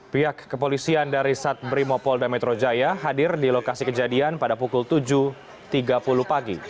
pihak kepolisian dari sat brimopolda metro jaya hadir di lokasi kejadian pada pukul tujuh tiga puluh pagi